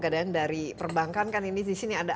dari perbankan kan ini disini ada